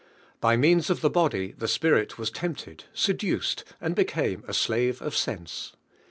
By means of the body, I he spir it was tempted, seduced, and became a slave of sense.